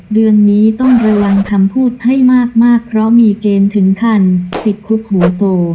เดือนนี้ต้องระวังคำพูดให้มากเพราะมีเกณฑ์ถึงขั้นติดคุกหัวโต